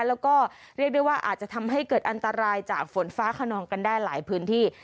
แล้วก็เรียกได้ว่าอาจจะทำให้เกิดอันตรายจากฝนฟ้าขนองกันได้หลายพื้นที่